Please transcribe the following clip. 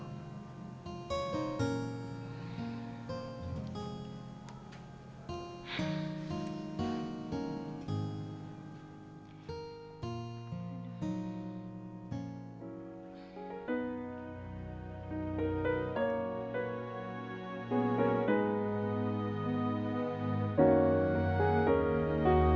ya tuhan ya tuhan